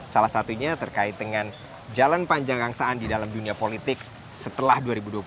salah satunya terkait dengan jalan panjang kang saan di dalam dunia politik setelah dua ribu dua puluh empat